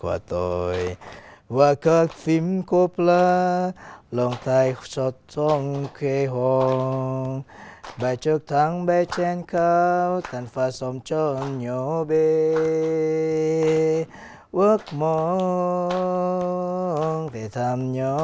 hoặc tôi có thể giúp bạn nhận được thông tin về văn hóa việt nam và món ăn việt nam